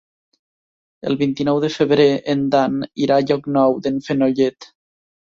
El vint-i-nou de febrer en Dan irà a Llocnou d'en Fenollet.